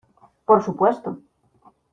por su puesto.